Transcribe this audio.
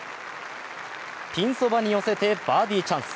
ピンそばに寄せてバーディーチャンス。